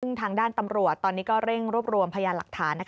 ซึ่งทางด้านตำรวจตอนนี้ก็เร่งรวบรวมพยานหลักฐาน